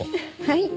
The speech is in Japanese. はい。